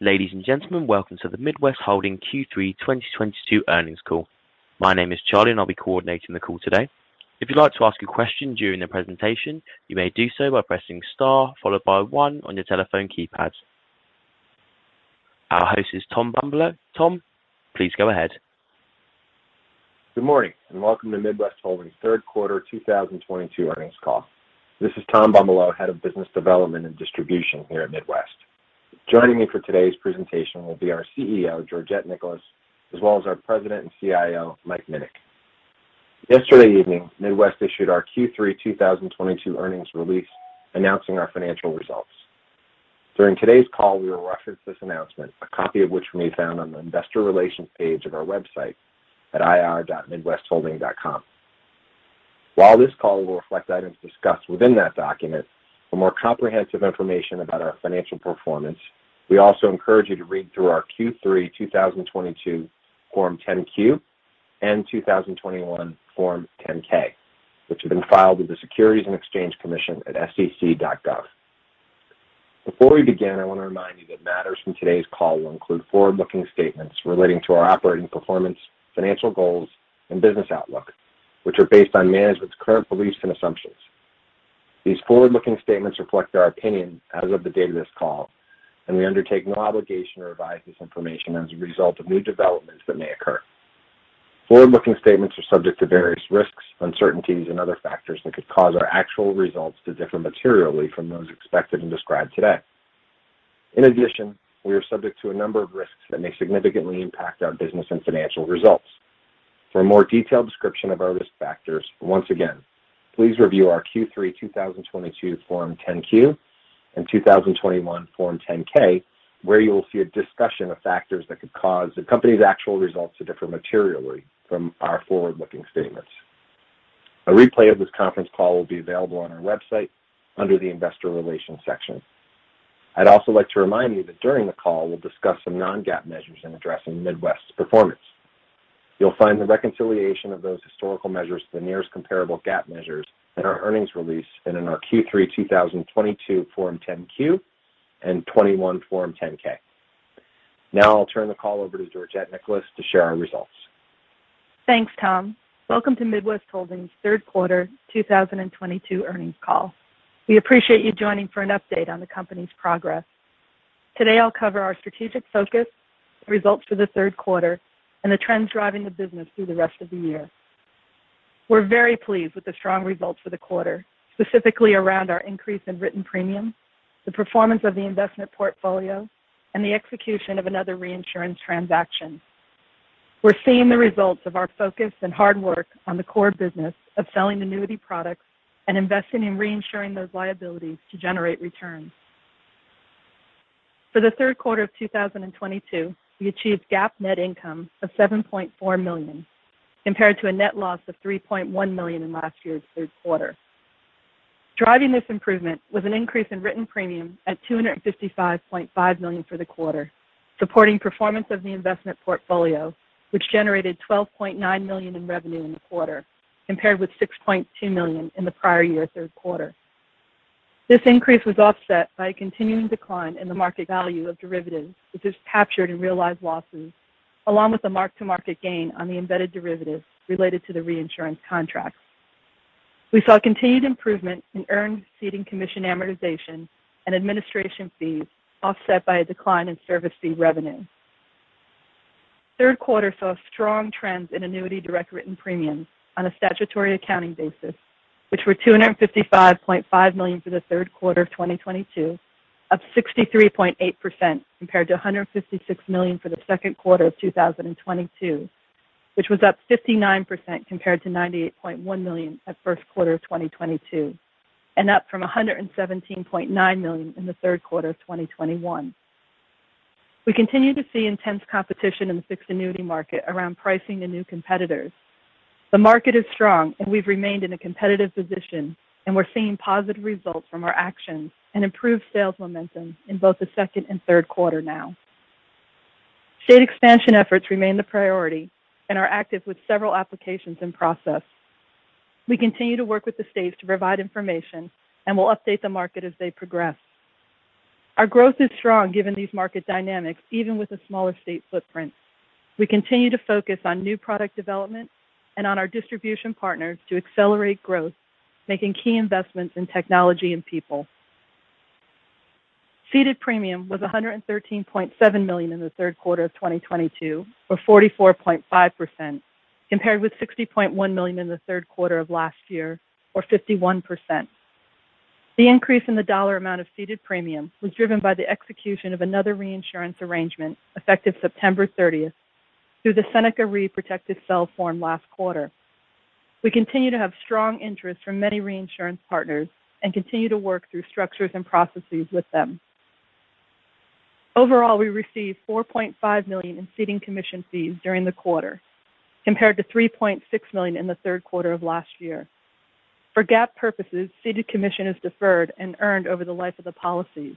Ladies and gentlemen, welcome to the Midwest Holding Q3 2022 earnings call. My name is Charlie, and I'll be coordinating the call today. If you'd like to ask a question during the presentation, you may do so by pressing star followed by one on your telephone keypad. Our host is Tom Bumbolow. Tom, please go ahead. Good morning, and welcome to Midwest Holding third quarter 2022 earnings call. This is Tom Bumbalough, Head of Business Development and Distribution here at Midwest. Joining me for today's presentation will be our CEO, Georgette Nicholas, as well as our President and CIO, Mike Minnich. Yesterday evening, Midwest issued our Q3 2022 earnings release announcing our financial results. During today's call, we will reference this announcement, a copy of which may be found on the investor relations page of our website at ir.midwestholding.com. While this call will reflect items discussed within that document, for more comprehensive information about our financial performance, we also encourage you to read through our Q3 2022 Form 10-Q and 2021 Form 10-K, which have been filed with the Securities and Exchange Commission at sec.gov. Before we begin, I want to remind you that matters from today's call will include forward-looking statements relating to our operating performance, financial goals, and business outlook, which are based on management's current beliefs and assumptions. These forward-looking statements reflect our opinion as of the date of this call, and we undertake no obligation to revise this information as a result of new developments that may occur. Forward-looking statements are subject to various risks, uncertainties, and other factors that could cause our actual results to differ materially from those expected and described today. In addition, we are subject to a number of risks that may significantly impact our business and financial results. For a more detailed description of our risk factors, once again, please review our Q3 2022 Form 10-Q and 2021 Form 10-K, where you will see a discussion of factors that could cause the company's actual results to differ materially from our forward-looking statements. A replay of this conference call will be available on our website under the Investor Relations section. I'd also like to remind you that during the call, we'll discuss some non-GAAP measures in addressing Midwest's performance. You'll find the reconciliation of those historical measures to the nearest comparable GAAP measures in our earnings release and in our Q3 2022 Form 10-Q and 2021 Form 10-K. Now I'll turn the call over to Georgette Nicholas to share our results. Thanks, Tom. Welcome to Midwest Holding's third quarter 2022 earnings call. We appreciate you joining for an update on the company's progress. Today, I'll cover our strategic focus, results for the third quarter, and the trends driving the business through the rest of the year. We're very pleased with the strong results for the quarter, specifically around our increase in written premium, the performance of the investment portfolio, and the execution of another reinsurance transaction. We're seeing the results of our focus and hard work on the core business of selling annuity products and investing in reinsuring those liabilities to generate returns. For the third quarter of 2022, we achieved GAAP net income of $7.4 million, compared to a net loss of $3.1 million in last year's third quarter. Driving this improvement was an increase in written premium at $255.5 million for the quarter, supporting performance of the investment portfolio, which generated $12.9 million in revenue in the quarter, compared with $6.2 million in the prior year third quarter. This increase was offset by a continuing decline in the market value of derivatives, which is captured in realized losses, along with a mark-to-market gain on the embedded derivatives related to the reinsurance contracts. We saw continued improvement in earned ceding commission amortization and administration fees, offset by a decline in service fee revenue. Third quarter saw strong trends in annuity direct written premiums on a statutory accounting basis, which were $255.5 million for the third quarter of 2022, up 63.8% compared to $156 million for the second quarter of 2022, which was up 59% compared to $98.1 million at first quarter of 2022, and up from $117.9 million in the third quarter of 2021. We continue to see intense competition in the fixed annuity market around pricing to new competitors. The market is strong, and we've remained in a competitive position, and we're seeing positive results from our actions and improved sales momentum in both the second and third quarter now. State expansion efforts remain the priority and are active with several applications in process. We continue to work with the states to provide information, and we'll update the market as they progress. Our growth is strong given these market dynamics, even with a smaller state footprint. We continue to focus on new product development and on our distribution partners to accelerate growth, making key investments in technology and people. Ceded premium was $113.7 million in the third quarter of 2022, or 44.5%, compared with $60.1 million in the third quarter of last year, or 51%. The increase in the dollar amount of ceded premium was driven by the execution of another reinsurance arrangement effective September 30th through the Seneca Re protective cell formed last quarter. We continue to have strong interest from many reinsurance partners and continue to work through structures and processes with them. Overall, we received $4.5 million in ceding commission fees during the quarter, compared to $3.6 million in the third quarter of last year. For GAAP purposes, ceded commission is deferred and earned over the life of the policies.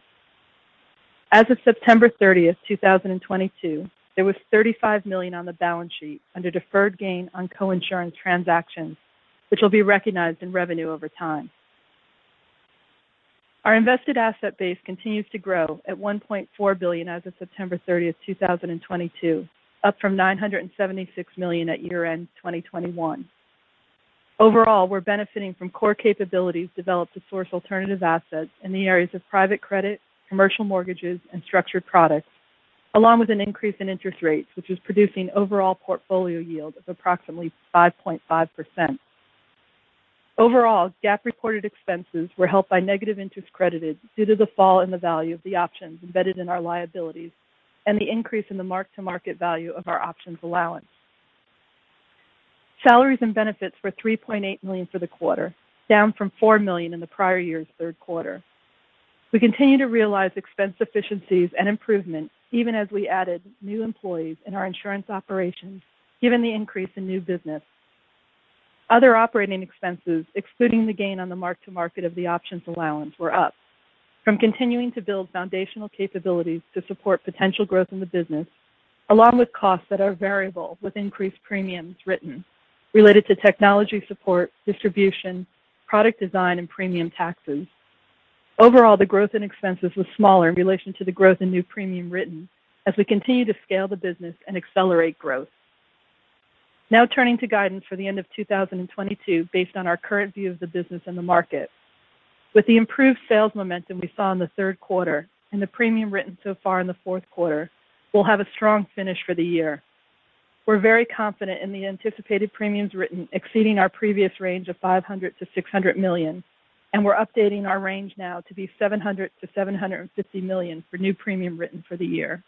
As of September 30, 2022, there was $35 million on the balance sheet under deferred gain on coinsurance transactions, which will be recognized in revenue over time. Our invested asset base continues to grow to $1.4 billion as of September 30, 2022, up from $976 million at year-end 2021. Overall, we're benefiting from core capabilities developed to source alternative assets in the areas of private credit, commercial mortgages, and structured products, along with an increase in interest rates, which is producing overall portfolio yield of approximately 5.5%. Overall, GAAP reported expenses were helped by negative interest credited due to the fall in the value of the options embedded in our liabilities and the increase in the mark-to-market value of our options allowance. Salaries and benefits were $3.8 million for the quarter, down from $4 million in the prior year's third quarter. We continue to realize expense efficiencies and improvements even as we added new employees in our insurance operations, given the increase in new business. Other operating expenses, excluding the gain on the mark-to-market of the options allowance, were up from continuing to build foundational capabilities to support potential growth in the business, along with costs that are variable with increased premiums written related to technology support, distribution, product design, and premium taxes. Overall, the growth in expenses was smaller in relation to the growth in new premium written as we continue to scale the business and accelerate growth. Now turning to guidance for the end of 2022, based on our current view of the business and the market. With the improved sales momentum we saw in the third quarter and the premium written so far in the fourth quarter, we'll have a strong finish for the year. We're very confident in the anticipated premiums written exceeding our previous range of $500 million-$600 million, and we're updating our range now to be $700 million-$750 million for new premium written for the year.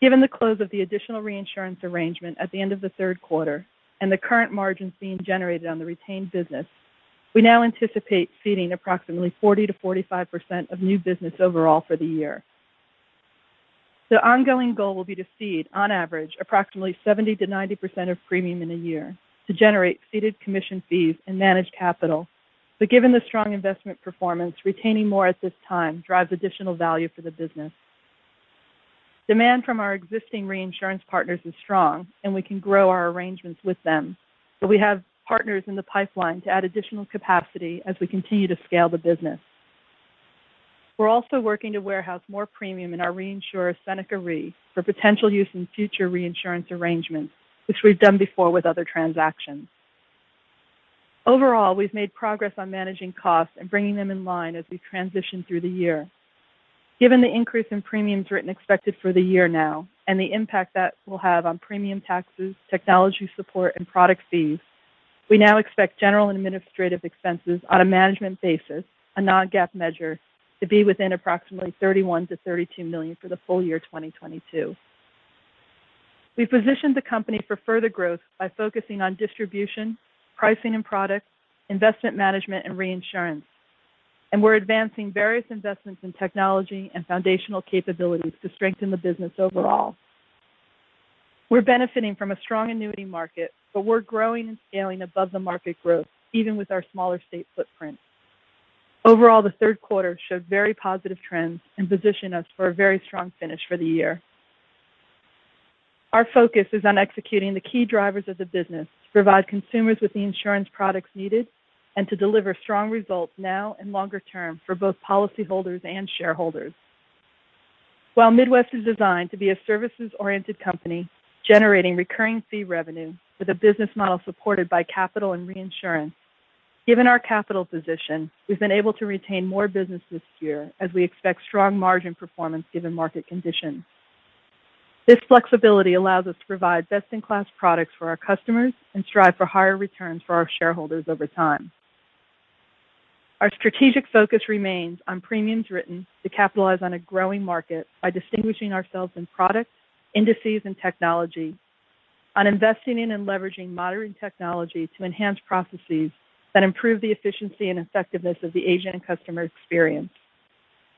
Given the close of the additional reinsurance arrangement at the end of the third quarter and the current margins being generated on the retained business, we now anticipate ceding approximately 40%-45% of new business overall for the year. The ongoing goal will be to cede on average approximately 70%-90% of premium in a year to generate ceding commission fees and manage capital. Given the strong investment performance, retaining more at this time drives additional value for the business. Demand from our existing reinsurance partners is strong and we can grow our arrangements with them, but we have partners in the pipeline to add additional capacity as we continue to scale the business. We're also working to warehouse more premium in our reinsurer, Seneca Re, for potential use in future reinsurance arrangements, which we've done before with other transactions. Overall, we've made progress on managing costs and bringing them in line as we transition through the year. Given the increase in premiums written expected for the year now and the impact that will have on premium taxes, technology support, and product fees, we now expect general and administrative expenses on a management basis, a non-GAAP measure, to be within approximately $31 million-$32 million for the full year 2022. We've positioned the company for further growth by focusing on distribution, pricing, and product, investment management, and reinsurance. We're advancing various investments in technology and foundational capabilities to strengthen the business overall. We're benefiting from a strong annuity market, but we're growing and scaling above the market growth even with our smaller state footprint. Overall, the third quarter showed very positive trends and position us for a very strong finish for the year. Our focus is on executing the key drivers of the business to provide consumers with the insurance products needed and to deliver strong results now and longer-term for both policyholders and shareholders. While Midwest is designed to be a services-oriented company generating recurring fee revenue with a business model supported by capital and reinsurance, given our capital position, we've been able to retain more business this year as we expect strong margin performance given market conditions. This flexibility allows us to provide best-in-class products for our customers and strive for higher returns for our shareholders over time. Our strategic focus remains on premiums written to capitalize on a growing market by distinguishing ourselves in products, indices, and technology, on investing in and leveraging modern technology to enhance processes that improve the efficiency and effectiveness of the agent and customer experience.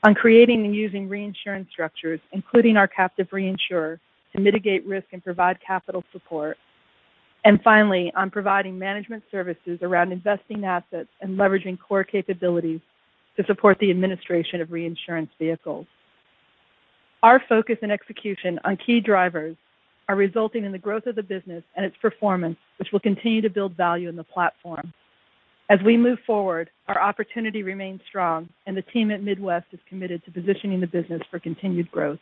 On creating and using reinsurance structures, including our captive reinsurer, to mitigate risk and provide capital support. Finally, on providing management services around investing assets and leveraging core capabilities to support the administration of reinsurance vehicles. Our focus and execution on key drivers are resulting in the growth of the business and its performance, which will continue to build value in the platform. As we move forward, our opportunity remains strong and the team at Midwest is committed to positioning the business for continued growth.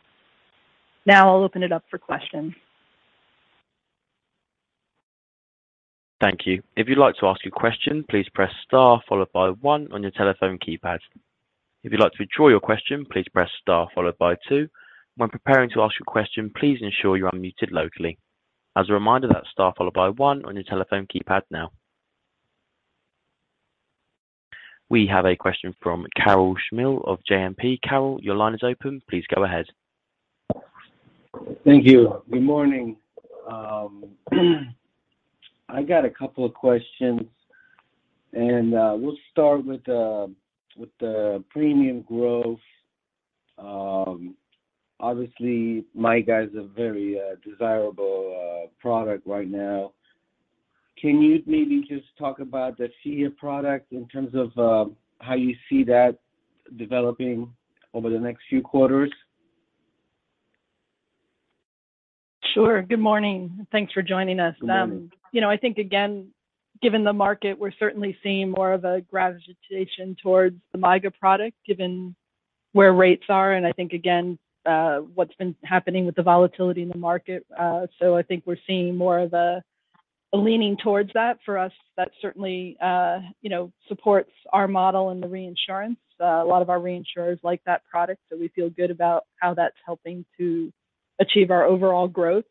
Now I'll open it up for questions. Thank you. If you'd like to ask a question, please press star followed by one on your telephone keypad. If you'd like to withdraw your question, please press star followed by two. When preparing to ask your question, please ensure you're unmuted locally. As a reminder, that's star followed by one on your telephone keypad now. We have a question from Karol Chmiel of JMP. Karol, your line is open. Please go ahead. Thank you. Good morning. I got a couple of questions, and we'll start with the premium growth. Obviously, MYGA is a very desirable product right now. Can you maybe just talk about the FIA product in terms of how you see that developing over the next few quarters? Sure. Good morning. Thanks for joining us. Good morning. You know, I think again, given the market, we're certainly seeing more of a gravitation towards the MYGA product, given where rates are, and I think again, what's been happening with the volatility in the market. I think we're seeing more of a leaning towards that. For us, that certainly, you know, supports our model in the reinsurance. A lot of our reinsurers like that product, so we feel good about how that's helping to achieve our overall growth.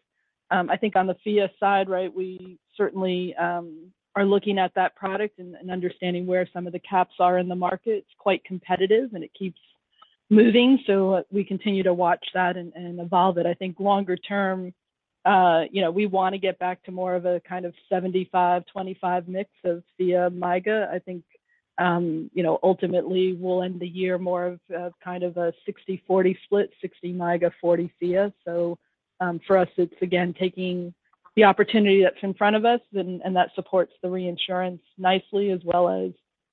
I think on the FIA side, right, we certainly are looking at that product and understanding where some of the caps are in the market. It's quite competitive, and it keeps moving, so we continue to watch that and evolve it. I think longer term, you know, we wanna get back to more of a kind of 75/25 mix of FIA/MYGA. I think, you know, ultimately we'll end the year more of kind of a 60/40 split, 60 MYGA, 40 FIA. For us, it's again taking the opportunity that's in front of us and that supports the reinsurance nicely, as well as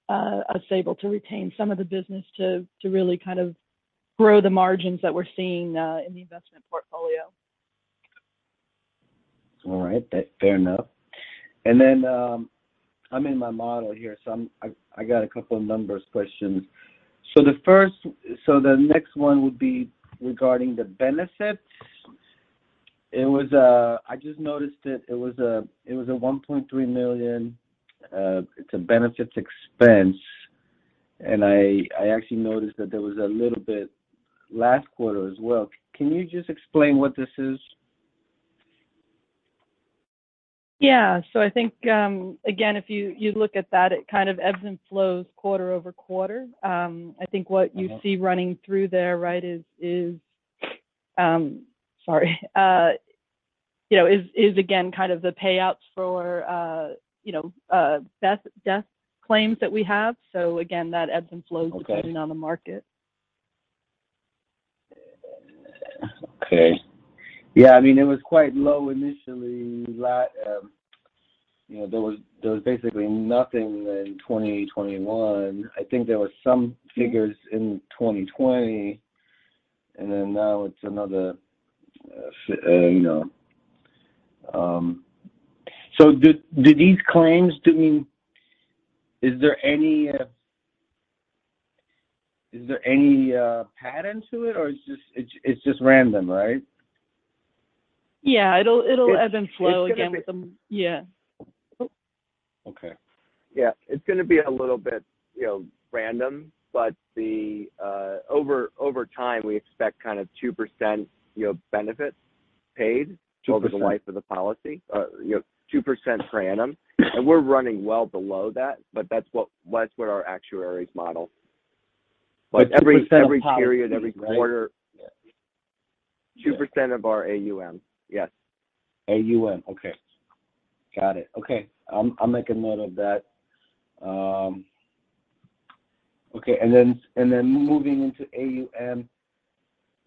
us able to retain some of the business to really kind of grow the margins that we're seeing in the investment portfolio. All right. Fair enough. I'm in my model here. I got a couple numbers questions. The next one would be regarding the benefits. I just noticed that it was a $1.3 million benefits expense. I actually noticed that there was a little bit last quarter as well. Can you just explain what this is? Yeah. I think, again, if you look at that, it kind of ebbs and flows quarter-over-quarter. I think what you see running through there, right, is again kind of the payouts for, you know, death claims that we have. Again, that ebbs and flows depending on the market. Okay. Yeah. I mean, it was quite low initially. There was basically nothing in 2021. I think there were some figures in 2020, and then now it's another. Is there any pattern to it or it's just random, right? Yeah. It'll ebb and flow again with the- It's gonna be. Yeah. Okay. Yeah. It's gonna be a little bit, you know, random, but over time, we expect kind of 2%, you know, benefit paid- 2%. Over the life of the policy. You know, 2% per annum. We're running well below that, but that's what our actuaries model. Every- 2% of policy, right? Every period, every quarter. Yeah. 2% of our AUM. Yes. AUM. Okay. Got it. Okay. I'll make a note of that. Okay. Moving into AUM.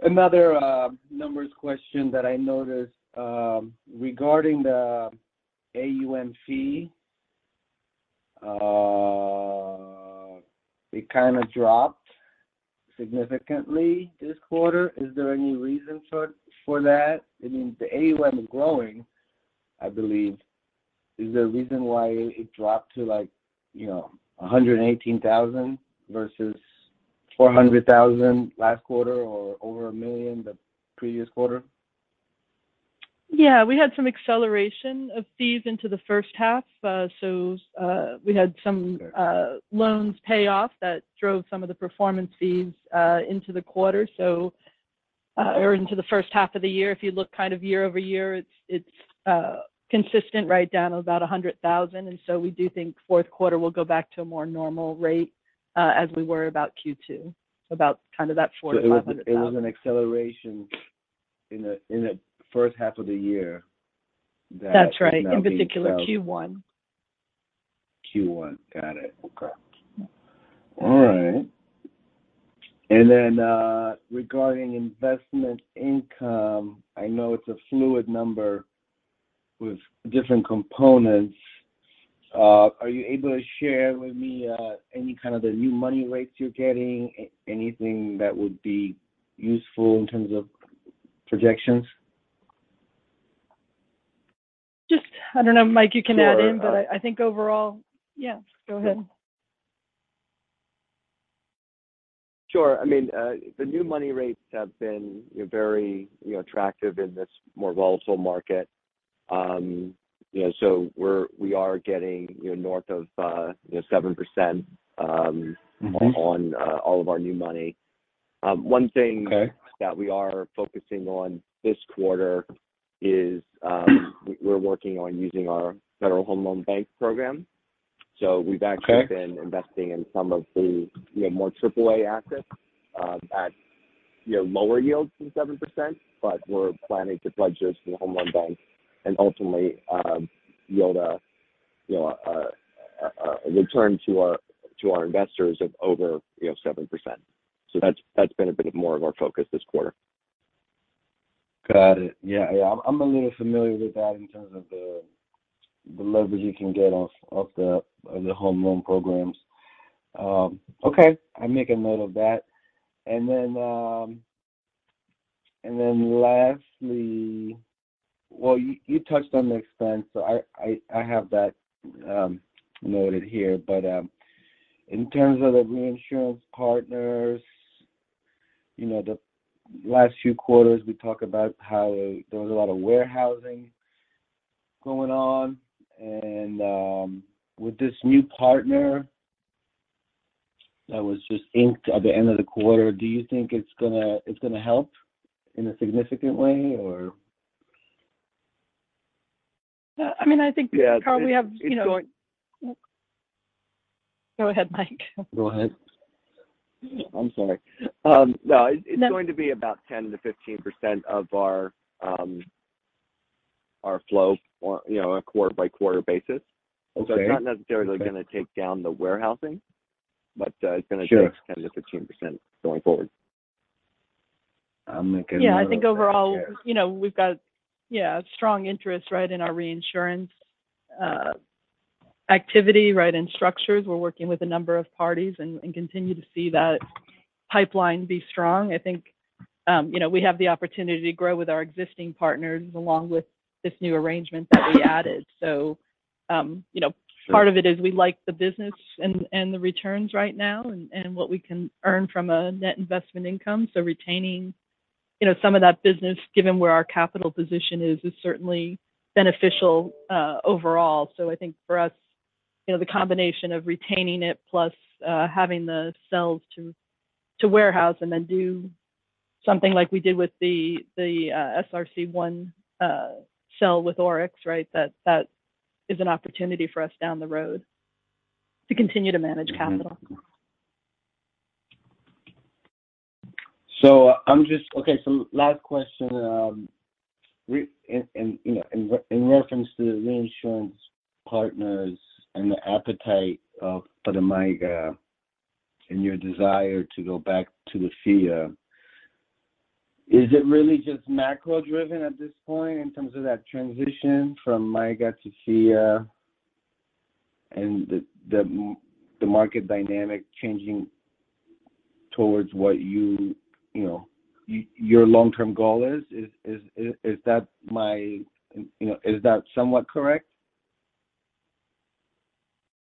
Another numbers question that I noticed regarding the AUM fee. It kind of dropped significantly this quarter. Is there any reason for that? I mean, the AUM is growing, I believe. Is there a reason why it dropped to like, you know, $118,000 versus $400,000 last quarter or over $1 million the previous quarter? Yeah. We had some acceleration of fees into the first half. Sure. Loan payoffs that drove some of the performance fees into the quarter or into the first half of the year. If you look kind of year-over-year, it's consistent right down to about $100,000. We do think fourth quarter will go back to a more normal rate as we were about Q2, about kind of that $400,000-$500,000. It was an acceleration in the first half of the year that is now being felt. That's right. In particular, Q1. Q1. Got it. Okay. All right. Regarding investment income, I know it's a fluid number with different components. Are you able to share with me, any kind of the new money rates you're getting? Anything that would be useful in terms of projections? I don't know, Mike, you can add in. Sure. I think overall. Yeah, go ahead. Sure. I mean, the new money rates have been, you know, very, you know, attractive in this more volatile market. You know, so we are getting, you know, north of, you know, 7% on all of our new money. One thing- Okay. ...that we are focusing on this quarter is, we're working on using our Federal Home Loan Bank program. We've actually- Okay. We've been investing in some of the, you know, more AAA assets at, you know, lower yields than 7%. We're planning to pledge this to the Federal Home Loan Bank and ultimately yield a, you know, a return to our investors of over 7%. That's been a bit more of our focus this quarter. Got it. Yeah. Yeah. I'm a little familiar with that in terms of the leverage you can get off the home loan programs. Okay, I'm making note of that. Lastly, well, you touched on the expense, so I have that noted here. In terms of the reinsurance partners, you know, the last few quarters, we talked about how there was a lot of warehousing going on. With this new partner that was just inked at the end of the quarter, do you think it's gonna help in a significant way or? I mean, I think, Karol, we have, you know. Yeah. It's going. Go ahead, Mike. Go ahead. I'm sorry. No, it's going to be about 10%-15% of our flow on, you know, a quarter-by-quarter basis. Okay. It's not necessarily gonna take down the warehousing, but it's gonna take- Sure 10%-15% going forward. I'm making a note of that here. I think overall, you know, we've got strong interest, right, in our reinsurance activity, right, and structures. We're working with a number of parties and continue to see that pipeline be strong. I think, you know, we have the opportunity to grow with our existing partners along with this new arrangement that we added. You know, part of it is we like the business and the returns right now and what we can earn from a net investment income. Retaining, you know, some of that business, given where our capital position is certainly beneficial, overall. I think for us, you know, the combination of retaining it plus having the cells to warehouse and then do something like we did with the SRC-1 cell with ORIX, right? That is an opportunity for us down the road to continue to manage capital. Last question. You know, in reference to the reinsurance partners and the appetite for the MYGA and your desire to go back to the FIA, is it really just macro-driven at this point in terms of that transition from MYGA to FIA and the market dynamic changing towards what you know, your long-term goal is? You know, is that somewhat correct?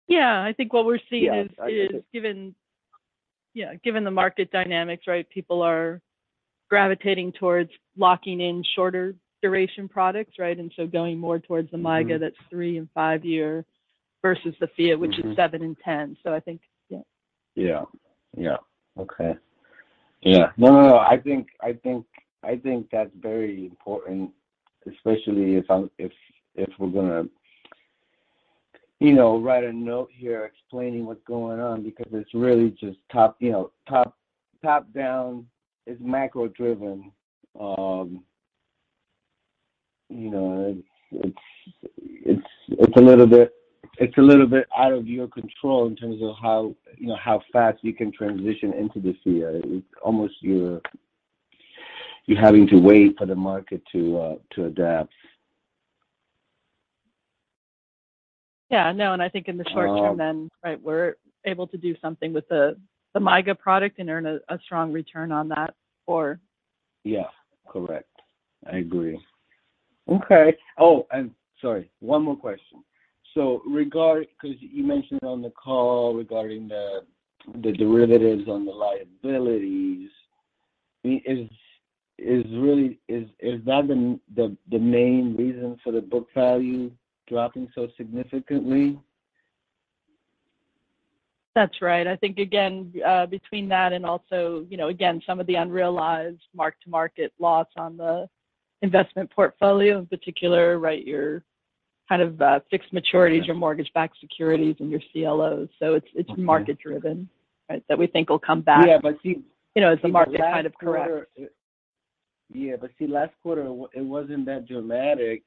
Yeah. I think what we're seeing is. Yeah. I get it. is given, yeah, given the market dynamics, right, people are gravitating towards locking in shorter duration products, right? Going more towards the MYGA that's 3- and 5-year versus the FIA, which is 7- and 10-. I think, yeah. Yeah. Yeah. Okay. Yeah. No. I think that's very important, especially if we're gonna, you know, write a note here explaining what's going on because it's really just top, you know, top-down. It's macro-driven. You know, it's a little bit out of your control in terms of how, you know, how fast you can transition into this year. It's almost you're having to wait for the market to adapt. Yeah. No. I think in the short term then, right, we're able to do something with the MYGA product and earn a strong return on that or. Yeah. Correct. I agree. Okay. Oh, and sorry, one more question. 'Cause you mentioned on the call regarding the derivatives on the liabilities. I mean, is that really the main reason for the book value dropping so significantly? That's right. I think again, between that and also, you know, again, some of the unrealized mark-to-market loss on the investment portfolio in particular, right? Your kind of fixed maturities, your mortgage-backed securities and your CLOs. Okay. It's market driven, right? That we think will come back. Yeah. See- You know, as the market kind of corrects. See last quarter. Yeah. See, last quarter it wasn't that dramatic,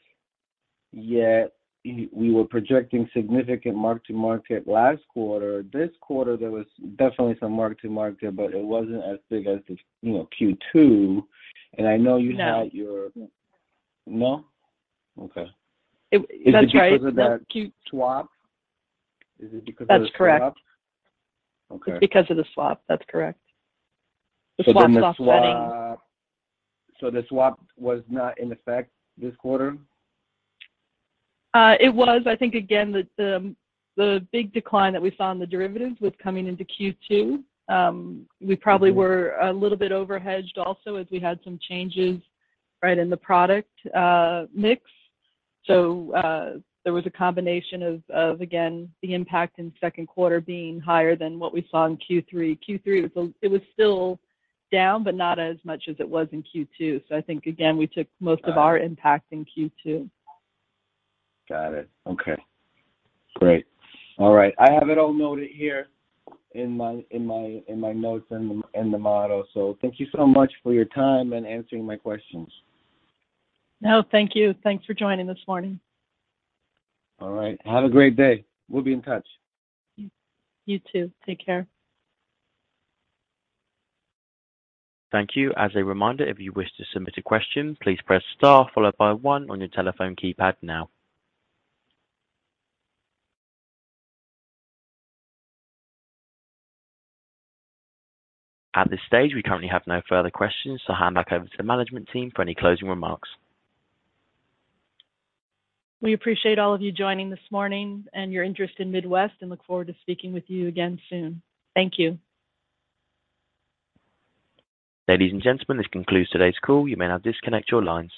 yet we were projecting significant mark-to-market last quarter. This quarter, there was definitely some mark-to-market, but it wasn't as big as the, you know, Q2. I know you had your No. No? Okay. That's right. Is it because of the swap? That's correct. Okay. It's because of the swap, that's correct. The swap stop setting. The swap was not in effect this quarter? It was. I think again, the big decline that we saw in the derivatives was coming into Q2. Mm-hmm. We probably were a little bit over-hedged also as we had some changes, right, in the product mix. There was a combination of again, the impact in second quarter being higher than what we saw in Q3. Q3, it was still down, but not as much as it was in Q2. I think again, we took most of our impact in Q2. Got it. Okay. Great. All right. I have it all noted here in my notes and the model. Thank you so much for your time and answering my questions. No, thank you. Thanks for joining this morning. All right. Have a great day. We'll be in touch. You too. Take care. Thank you. As a reminder, if you wish to submit a question, please press star followed by one on your telephone keypad now. At this stage, we currently have no further questions, so hand back over to the management team for any closing remarks. We appreciate all of you joining this morning and your interest in Midwest, and look forward to speaking with you again soon. Thank you. Ladies and gentlemen, this concludes today's call. You may now disconnect your lines.